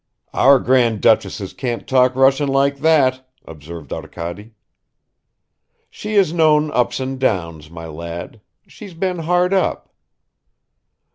"Our Grand Duchesses can't talk Russian like that," observed Arkady. "She has known ups and downs, my lad; she's been hard up."